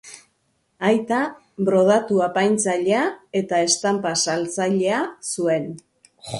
Aita brodatu-apaintzailea eta estanpa-saltzailea zuen.